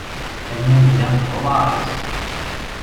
Allen-iw ddant d uḍar-is.